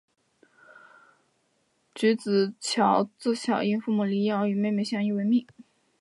菊梓乔自小因父母离异而与妹妹相依为命。